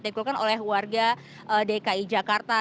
dilakukan oleh warga dki jakarta